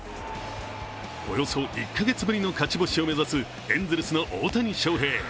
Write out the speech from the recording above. およそ１か月ぶりに勝ち星を目指すエンゼルスの大谷翔平。